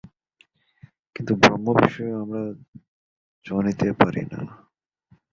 কিন্তু ব্রহ্ম-বিষয়ে আমরা জনিতে পারি না।